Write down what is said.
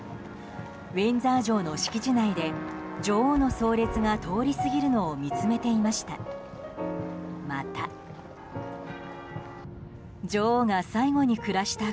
ウィンザー城の敷地内で女王の葬列が通り過ぎるのを見つめていました。